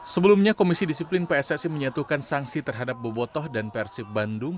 sebelumnya komisi disiplin pssi menyatukan sanksi terhadap bobotoh dan persib bandung